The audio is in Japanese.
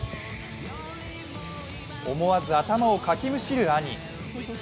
思わず頭をかきむしる兄。